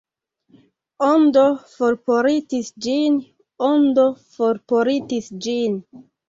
Ondo forportis ĝin, Ondo forportis ĝin.